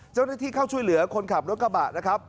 เจ้าหน้าที่เข้าช่วยเหลือคนขับรถกระบะนะครับ